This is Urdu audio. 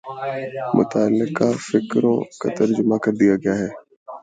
متعلقہ فقروں کا ترجمہ کر دیا گیا ہے